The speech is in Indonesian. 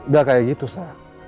gak kayak gitu sa